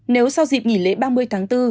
nếu sau dịp nghỉ lễ ba mươi tháng bốn